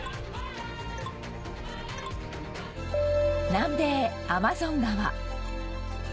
南米アマゾン川